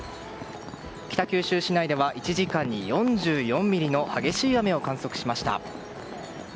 北九州市内では１時間に４４ミリの激しい雨を観測しました。